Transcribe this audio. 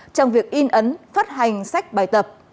trong việc in ấn phát hành sách bài tập